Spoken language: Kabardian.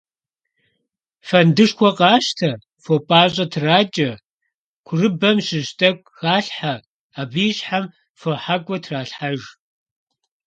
Фэндышхуэ къащтэ, фо пIащIэ иракIэ, курыбэм щыщ тIэкIу халъхьэ, абы и щхьэм фохьэкIуэ тралъхьэж.